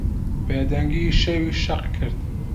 بێدەنگیی شەوی شەق کرد.